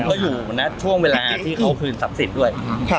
ก็อยู่นะช่วงเวลาที่เขาคืนทรัพย์สินด้วย